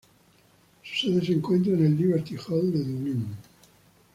Su sede se encontraba en el Liberty Hall de Dublín.